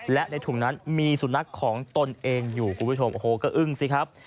และในถุงนั้นมีสุนัขของตนเองอยู่คุณผู้ชมโอ้โหก็อึ้งสิครับ